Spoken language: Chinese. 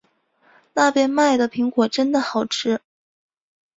那边卖的苹果真的好吃